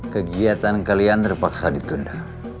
kegiatan kalian terpaksa ditunda